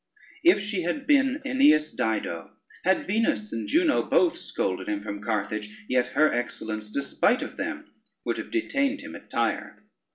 If she had been Aeneas' Dido, had Venus and Juno both scolded him from Carthage, yet her excellence, despite of them, would have detained him at Tyre.